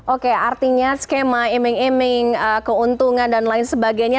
oke artinya skema aiming aiming keuntungan dan lain sebagainya